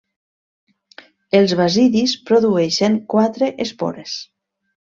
Els basidis produeixen quatre espores.